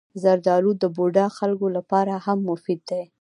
زردالو د بوډا خلکو لپاره هم مفید دی.